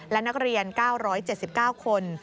และนักเรียน๙๗๙คน